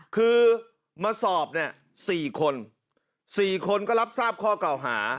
คือมาสอบเนี่ย๔คน๔คนก็รับทราบข้อเก่าหา